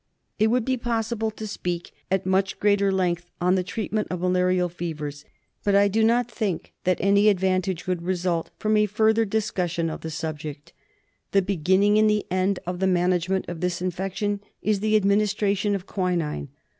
It would be possible to speak at much greater length on the treatment of malarial fevers, but I do not think that any advantage would result from a further discussion of the subject. The beginning and the end of the man agement of this infection is the administration of quinine.